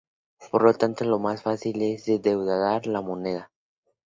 Por lo tanto lo más fácil es devaluar la moneda.